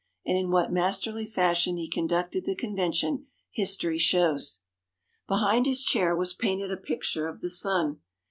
And in what masterly fashion he conducted the convention, history shows. Behind his chair was painted a picture of the sun.